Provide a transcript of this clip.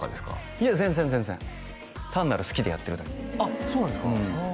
いや全然全然単なる好きでやってるだけあっそうなんですか？